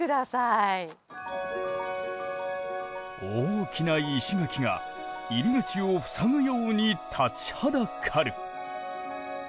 大きな石垣が入り口を塞ぐように立ちはだかる。